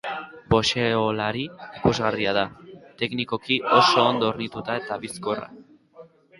Boxeolari ikusgarria da, teknikoki oso ondo hornitua eta bizkorra.